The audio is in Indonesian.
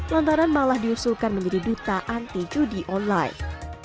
lantaran malah diusulkan menjadi duta anti judi online